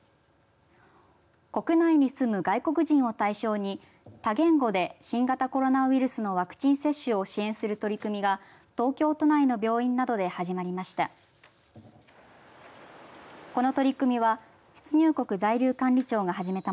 国内に住む外国人を対象に多言語で新型コロナウイルスのワクチン接種を支援する取り組みが東京都内の病院などで始まりました。